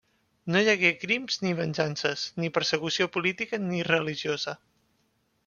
No hi hagué crims ni venjances, ni persecució política ni religiosa.